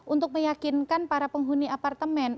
untuk meyakinkan para penghuni apartemen